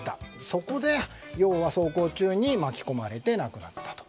そこで、要は走行中に巻き込まれて亡くなったと。